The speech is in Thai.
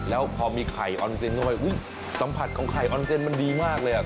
แล้วพอมีไข่ออนเซ็นเข้าไปสัมผัสของไข่ออนเซนมันดีมากเลยอ่ะ